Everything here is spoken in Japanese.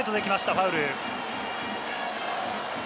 ファウル。